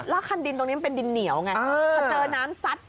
ละคันดินตรงนี้มันเป็นดินเหนียวไง